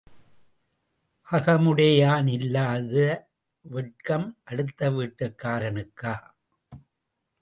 அகமுடையான் இல்லாத வெட்கம் அடுத்த வீட்டுக்காரனுக்கா?